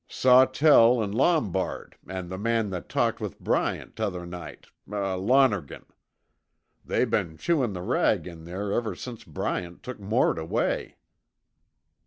"Sawtell an' Lombard an' the man that talked with Bryant t'other night Lonergan. They been chewin' the rag in there ever since Bryant took Mort away."